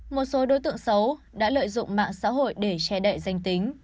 một số đối tượng xấu đã lợi dụng mạng xã hội để che đậy danh tính